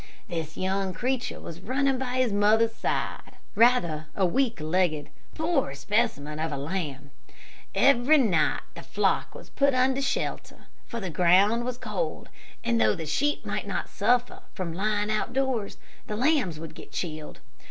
This young creature was running by his mother's side, rather a weak legged, poor specimen of a lamb. Every night the flock was put under shelter, for the ground was cold, and though the sheep might not suffer from lying out doors, the lambs would get chilled.